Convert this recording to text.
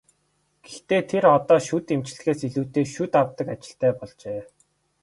Гэхдээ тэр одоо шүд эмчлэхээс илүүтэй шүд авдаг ажилтай болжээ.